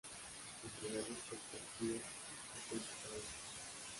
Entre las dos perspectivas, el cuento está dicho.